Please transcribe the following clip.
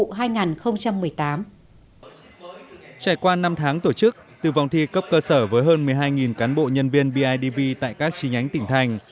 trải qua năm tháng tổ chức từ vòng thi cấp cơ sở với hơn một mươi hai cán bộ nhân viên bidv tại các chi nhánh tỉnh thành